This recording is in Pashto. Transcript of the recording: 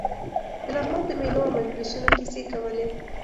د لغمان د مېلو او مجلسونو کیسې کولې.